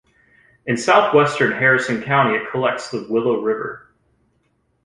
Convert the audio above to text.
In southwestern Harrison County, it collects the Willow River.